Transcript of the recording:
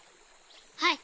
はい。